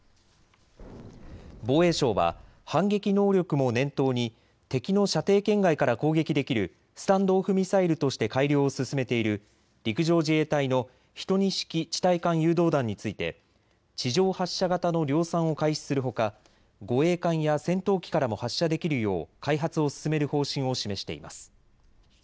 防衛省は反撃能力も念頭に敵の射程圏外から攻撃できるスタンド・オフ・ミサイルとして改良を進めている陸上自衛隊の１２式地対艦誘導弾について地上発射型の量産を開始するほか護衛艦や戦闘機からも発射できるよう開発を進める方針を示しています。